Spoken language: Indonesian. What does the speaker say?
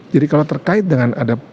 jadi kalau terkait dengan ada